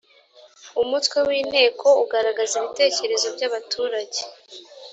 umutwe w’ inteko ugaragaza ibitekerezo byabaturage.